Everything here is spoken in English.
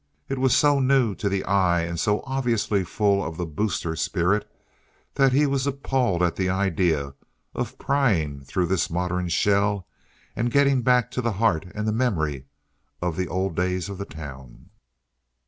It was so new to the eye and so obviously full of the "booster" spirit that he was appalled at the idea of prying through this modern shell and getting back to the heart and the memory of the old days of the town.